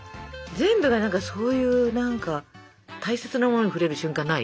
全部が何かそういう何か大切なものに触れる瞬間ない？